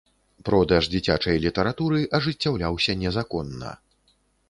Продаж дзіцячай літаратуры ажыццяўляўся незаконна.